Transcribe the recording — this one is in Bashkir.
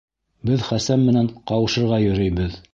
Беҙ Хәсән менән ҡауышырға йөрөйбөҙ.